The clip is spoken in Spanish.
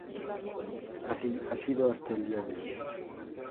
Así ha sido hasta el día de hoy.